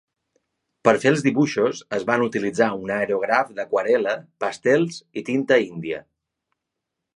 Per fer els dibuixos es van utilitzar un aerògraf d'aquarel·la, pastels i tinta índia.